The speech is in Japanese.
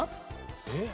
えっ？